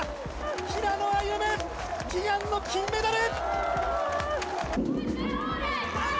平野歩夢、悲願の金メダル。